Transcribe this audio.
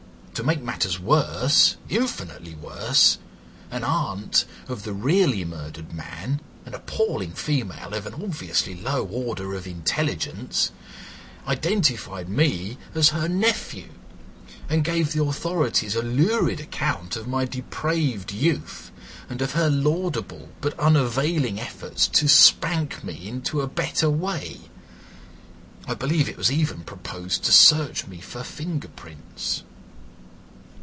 To make matters worse, infinitely worse, an aunt of the really murdered man, an appalling female of an obviously low order of intelligence, identified me as her nephew, and gave the authorities a lurid account of my depraved youth and of her laudable but unavailing efforts to spank me into a better way. I believe it was even proposed to search me for fingerprints."